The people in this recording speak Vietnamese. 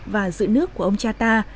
và giữ nước của ông cha ta